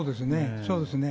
そうですね。